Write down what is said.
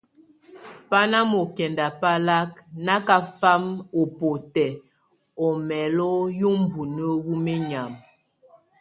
Bá na mokɛnda balak nakafam ɔ botɛ omɛ́lo yubúmue wu menyam.